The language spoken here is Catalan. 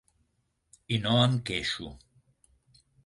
I no em queixo.